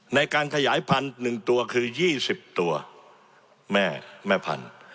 ในการขยายพันธุ์๑ตัวคือ๒๐ตัวแม่แม่พันธุ์